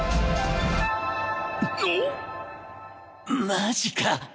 マジか。